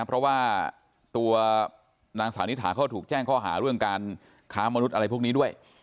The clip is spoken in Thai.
เพราะว่าตัวนางสาวนิถาเขาถูกแจ้งข้อหาเรื่องการค้ามนุษย์อะไรพวกนี้ด้วย